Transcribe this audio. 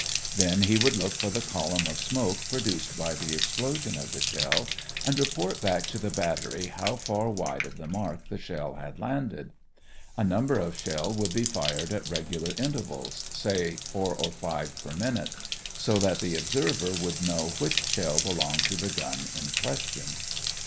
Then he would look for the column of smoke produced by the explosion of the shell and report back to the battery how far wide of the mark the shell had landed. A number of shell would be fired at regular intervals, say four or five per minute, so that the observer would know which shell belonged to the gun in question.